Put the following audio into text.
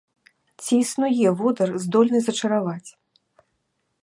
Ці існуе водар, здольны зачараваць?